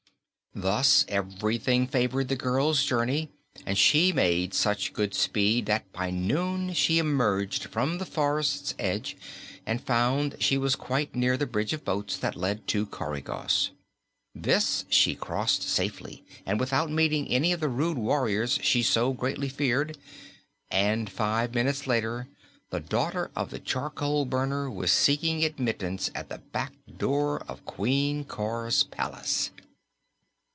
Thus everything favored the girl's journey and she made such good speed that by noon she emerged from the forest's edge and found she was quite near to the bridge of boats that led to Coregos. This she crossed safely and without meeting any of the rude warriors she so greatly feared, and five minutes later the daughter of the charcoal burner was seeking admittance at the back door of Queen Cor's palace.